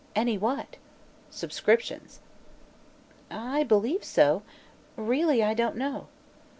"Any what?" "Subscriptions." " I believe so. Really, I don't know."